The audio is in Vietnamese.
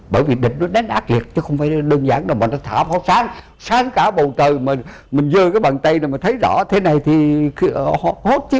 bởi vì địch nó đánh ác liệt chứ không phải đơn giản đâu mà nó thả pháo sáng sáng cả bầu trời mà mình dơ cái bàn tay này mà thấy rõ thế này thì hết chứ